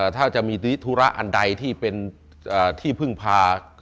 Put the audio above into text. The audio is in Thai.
ถ้าจะมีธุระอันใดที่เป็นที่พึ่งพา